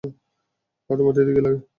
হাঁটু মাটিতে গিয়ে লাগে।